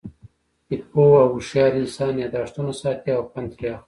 پوه او هوشیار انسان، یاداښتونه ساتي او پند ترې اخلي.